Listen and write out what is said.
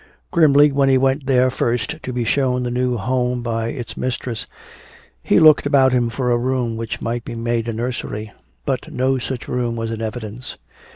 Grimly, when he went there first to be shown the new home by its mistress, he looked about him for a room which might be made a nursery. But no such room was in evidence.